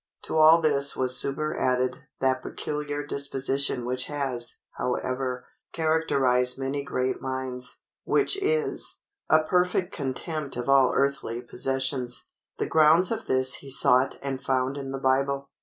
To all this was superadded that peculiar disposition which has, however, characterized many great minds, which is, a perfect contempt of all earthly possessions. The grounds of this he sought and found in the Bible.